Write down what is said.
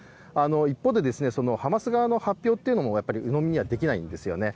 一方で、ハマス側の発表というのもうのみにはできないんですよね。